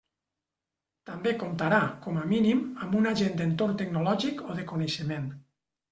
També comptarà, com a mínim, amb un agent d'entorn tecnològic o de coneixement.